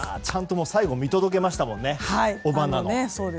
ちゃんと最後見届けましたね。